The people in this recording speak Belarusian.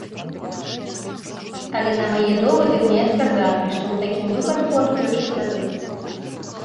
Але на мае довады мне адказалі, што у такім выпадку адключаць ваду.